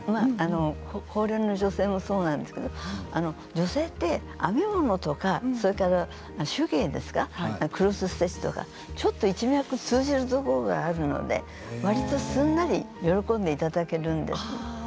高齢の女性もそうなんですけど女性って編み物とかそれから手芸ですかクロスステッチとかちょっと一脈、通じるところがあるのでわりとすんなり喜んでいただけるんです。